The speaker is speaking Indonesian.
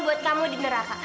buat kamu di neraka